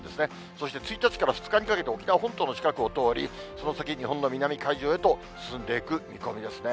そして１日から２日にかけて沖縄本島の近くを通り、その先、日本の南海上へと進んでいく見込みですね。